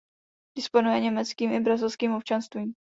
Disponuje německým i brazilským občanstvím.